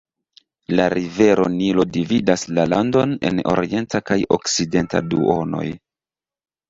La rivero Nilo dividas la landon en orienta kaj okcidenta duonoj.